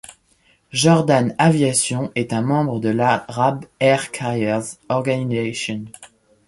Jordan Aviation est un membre de l'Arab Air Carriers Organization.